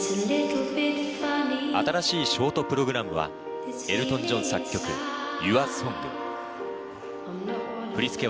新しいショートプログラムはエルトン・ジョン作曲『ＹｏｕｒＳｏｎｇ』。